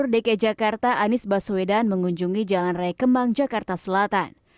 dki jakarta anies baswedan mengunjungi jalan raya kemang jakarta selatan